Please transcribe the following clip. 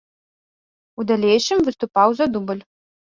У далейшым выступаў за дубль.